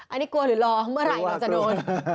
อันนี้กลัวหรือรอเมื่อไหร่เราจะโดน